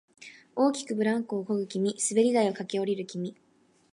大きくブランコをこぐ君、滑り台を駆け下りる君、